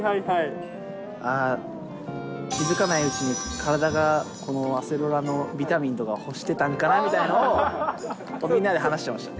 あー、気付かないうちに体がこのアセロラのビタミンとか欲してたんかなみたいなのを、みんなで話してました。